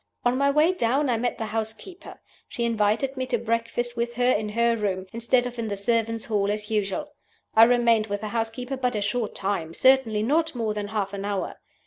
On my way down I met the housekeeper. She invited me to breakfast with her in her room, instead of in the servants' hall as usual. I remained with the housekeeper but a short time certainly not more than half an hour.